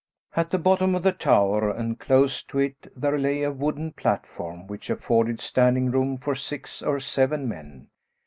At the bottom of the tower, and close to it, there lay a wooden platform which afforded standing room for six or seven men.